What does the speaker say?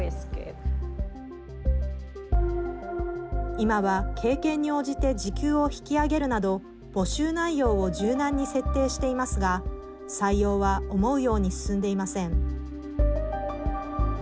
今は、経験に応じて時給を引き上げるなど募集内容を柔軟に設定していますが採用は思うように進んでいません。